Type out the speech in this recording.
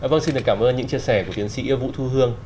vâng xin cảm ơn những chia sẻ của tiến sĩ yêu vũ thu hương